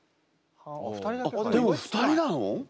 あっでも２人なの？